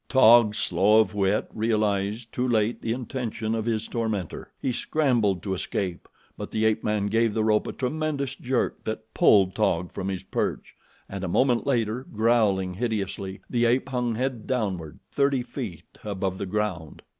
Taug, slow of wit, realized too late the intention of his tormentor. He scrambled to escape, but the ape man gave the rope a tremendous jerk that pulled Taug from his perch, and a moment later, growling hideously, the ape hung head downward thirty feet above the ground.